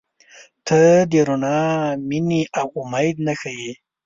• ته د رڼا، مینې، او امید نښه یې.